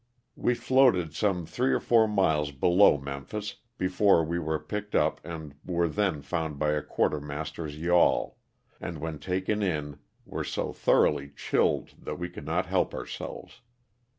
We floated some three or four miles below Memphis before we were picked up and were then found by a quartermaster's yawl, and when taken in were so thoroughly chilled that we could not help ourselves.